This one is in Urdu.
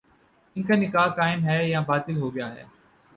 ان کا نکاح قائم ہے یا باطل ہو گیا ہے؟